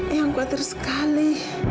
eang khawatir sekali